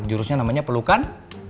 jurusnya namanya pelukan